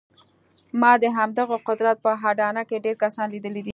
ما د همدغه قدرت په اډانه کې ډېر کسان لیدلي دي